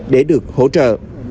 để được hỗ trợ